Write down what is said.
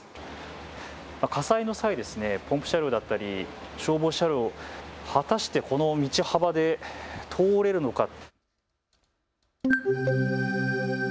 火災の際、ポンプ車両だったり消防車両、果たしてこの道幅で通れるのか。